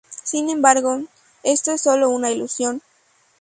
Sin embargo, esto es sólo una ilusión.